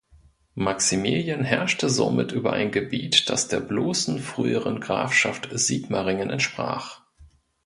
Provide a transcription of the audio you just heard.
Maximilian herrschte somit über ein Gebiet, das der bloßen früheren Grafschaft Sigmaringen entsprach.